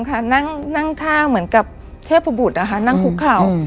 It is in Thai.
๓ค่ะนั่งท่าเหมือนกับเทพบุตรอ่ะค่ะนั่งคุกเข่า